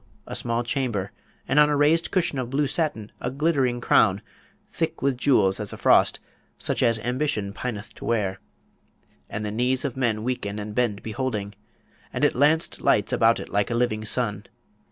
a small chamber, and on a raised cushion of blue satin a glittering crown, thick with jewels as a frost, such as Ambition pineth to wear, and the knees of men weaken and bend beholding, and it lanced lights about it like a living sun.